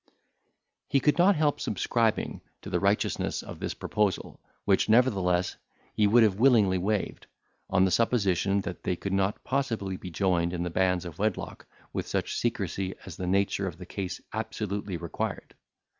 He could not help subscribing to the righteousness of this proposal, which, nevertheless, he would have willingly waived, on the supposition that they could not possibly be joined in the bands of wedlock with such secrecy as the nature of the case absolutely required.